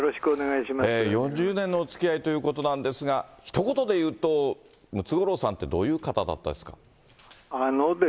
４０年のおつきあいということなんですが、ひと言で言うと、ムツゴロウさんって、どういう方だったですか。